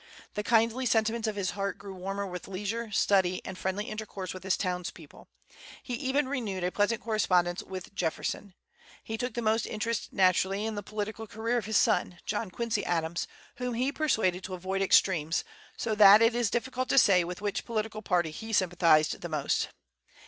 The kindly sentiments of his heart grew warmer with leisure, study, and friendly intercourse with his town's people. He even renewed a pleasant correspondence with Jefferson. He took the most interest, naturally, in the political career of his son, John Quincy Adams, whom he persuaded to avoid extremes, so that it is difficult to say with which political party he sympathized the most.